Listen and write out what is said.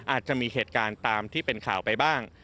อาจจะมีเหตุการณ์ตามที่เป็นข่าวไปบ้าง